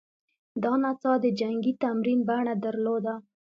دا نڅا د جنګي تمرین بڼه درلوده